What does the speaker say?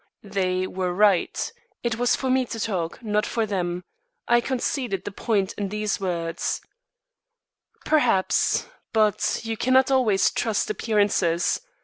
They were right. It was for me to talk, not for them. I conceded the point in these words: "Perhaps but you cannot always trust appearances.